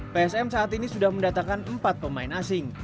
psm saat ini sudah mendatakan empat pemain asing